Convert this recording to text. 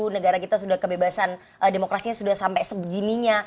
negara kita sudah kebebasan demokrasinya sudah sampai sebegininya